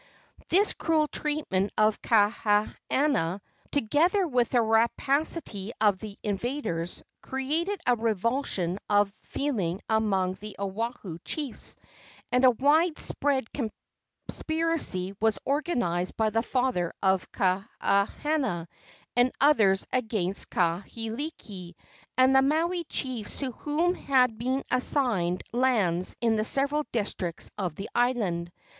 This cruel treatment of Kahahana, together with the rapacity of the invaders, created a revulsion of feeling among the Oahu chiefs, and a wide spread conspiracy was organized by the father of Kahahana and others against Kahekili and the Maui chiefs to whom had been assigned lands in the several districts of the island.